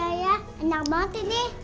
oh iya ya enak banget ini